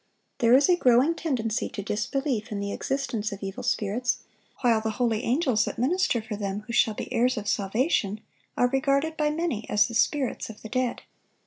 There is a growing tendency to disbelief in the existence of evil spirits, while the holy angels that "minister for them who shall be heirs of salvation,"(897) are regarded by many as the spirits of the dead.